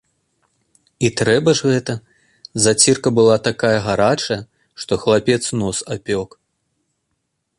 І трэба ж гэта, зацірка была такая гарачая, што хлапец нос апёк.